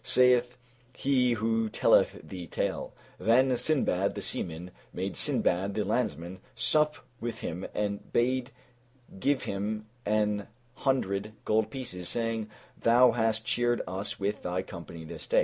Saith he who telleth the tale: Then Sindbad the Seaman made Sindbad the Landsman sup with him and bade give him an hundred gold pieces, saying, "Thou hast cheered us with thy company this day."